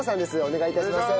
お願いします。